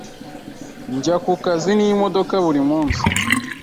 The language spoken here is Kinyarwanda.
Njya ku kazi n'imodoka buri munsi.